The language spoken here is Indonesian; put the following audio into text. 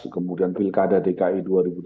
kemudian pilkada dki dua ribu tujuh belas